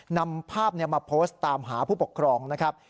นำภาพมาโพสต์ตามหาผู้ปกครองนะครับ